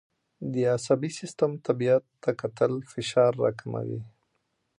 د عصبي سیستم طبیعت ته کتل فشار راکموي.